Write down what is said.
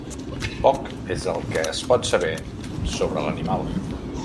Poc és el que es pot saber sobre l'animal.